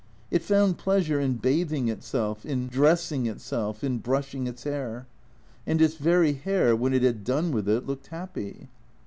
It found pleasure in bathing itself, in dressing itself, in brushing its hair. And its very hair, when it had done with it, looked happy.